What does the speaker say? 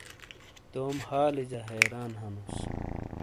توم حالیجہ حیران ہنوس۔